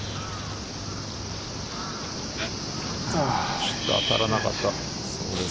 ちょっと当たらなかった。